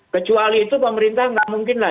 kecuali itu pemerintah nggak mungkin lah